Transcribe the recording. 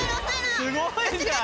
すごいじゃん。